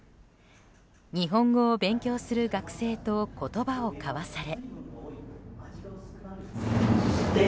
日本語を勉強する学生と言葉を交わされ。